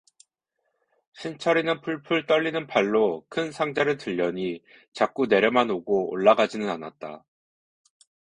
신철이는 풀풀 떨리는 팔로 큰 상자를 들려니 자꾸 내려만 오고 올라가지는 않았다.